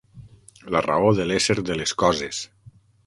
La raó de l'ésser de les coses.